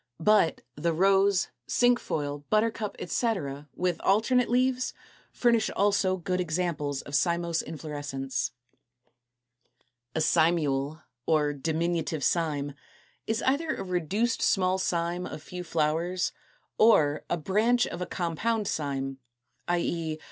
But the Rose, Cinquefoil, Buttercup, etc., with alternate leaves, furnish also good examples of cymose inflorescence. 224. =A Cymule= (or diminutive cyme) is either a reduced small cyme of few flowers, or a branch of a compound cyme, i. e.